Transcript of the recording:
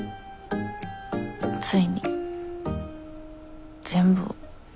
ついに全部を。